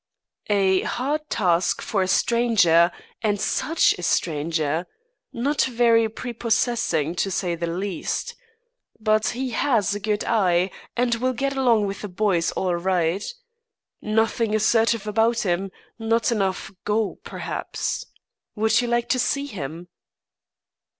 "A hard task for a stranger and such a stranger! Not very prepossessing, to say the least. But he has a good eye, and will get along with the boys all right. Nothing assertive about him; not enough go, perhaps. Would you like to see him?"